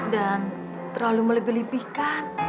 dan terlalu melebih lebihkan